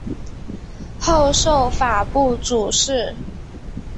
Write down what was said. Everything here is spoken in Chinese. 后授法部主事。